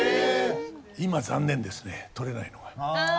今残念ですね取れないのが。